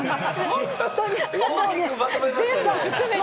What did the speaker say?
大きくまとめましたね。